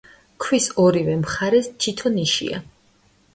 ქვის ორივე მხარეს თითო ნიშია.